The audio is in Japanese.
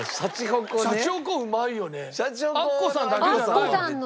他もうまいよね。